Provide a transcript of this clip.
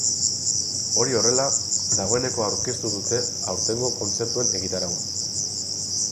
Hori horrela, dagoeneko aurkeztu dute aurtengo kontzertuen egitaraua.